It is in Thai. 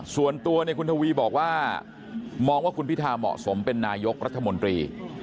ส่วนตัวคุณทวีบอกว่ามองว่าคุณพิธาเหมาะสมเป็นนายกรัฐมนตรี